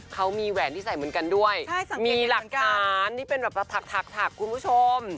เขามีแหวนที่ใส่เหมือนกันด้วยมีหลักฐานนี่เป็นแบบถักคุณผู้ชม